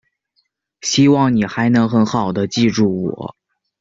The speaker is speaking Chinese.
希望你还能很好地记住我。